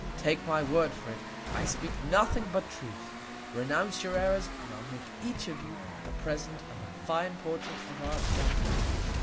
Take my Word for it; I speak nothing but Truth; renounce your Errors, and I'll make each of you a Present of a fine Portrait of our Oannés.